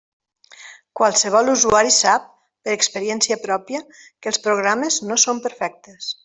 Qualsevol usuari sap, per experiència pròpia, que els programes no són perfectes.